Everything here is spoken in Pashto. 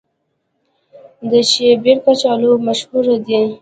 د شیبر کچالو مشهور دي